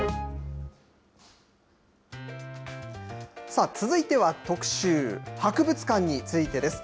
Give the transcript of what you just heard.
さあ、続いては特集、博物館についてです。